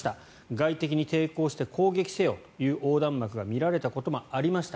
外敵に抵抗して攻撃せよという横断幕が見られたこともありました。